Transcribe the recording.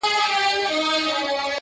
د گريوان ډورۍ ته دادی ځان ورسپاري